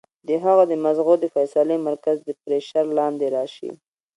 د هغه د مزغو د فېصلې مرکز د پرېشر لاندې راشي